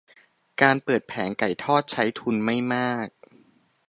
การเปิดแผงไก่ทอดใช้ทุนไม่มาก